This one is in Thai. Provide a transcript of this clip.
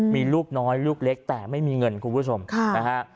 มีลูกน้อยลูกเล็กแต่ไม่มีเงินคุณผู้ชมนะฮะ